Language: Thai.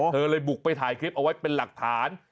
เธอเลยบุกไปถ่ายคลิปเอาไว้เป็นหลักฐาน